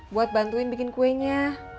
buat bantuin bikin kuenya